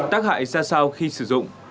tác hại xa xao khi sử dụng